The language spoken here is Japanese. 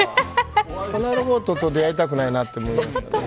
このロボットと出会いたくないなと思いますね。